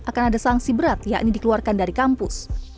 akan ada sanksi berat yakni dikeluarkan dari kampus